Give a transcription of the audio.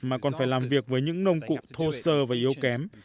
mà còn phải làm việc với những nông cụ thô sơ và yếu kém